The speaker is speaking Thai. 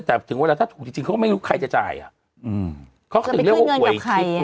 แต่ถึงเวลาถ้าถูกจริงเขาก็ไม่รู้ใครจะจ่ายอ่ะอืมเขาก็ถึงเรียกว่าหวยคิด